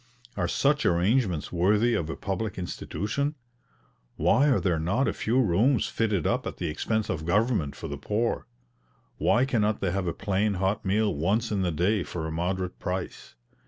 Are such arrangements worthy of a public institution? Why are there not a few rooms fitted up at the expense of government for the poor? Why cannot they have a plain hot meal once in the day for a moderate price?